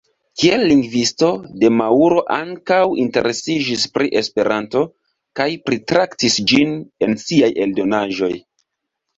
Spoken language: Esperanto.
Kiel lingvisto, De Mauro ankaŭ interesiĝis pri Esperanto kaj pritraktis ĝin en siaj eldonaĵoj.